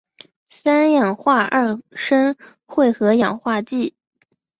三氧化二砷会和氧化剂。